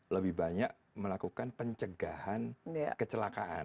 lebih banyak melakukan pencegahan kecelakaan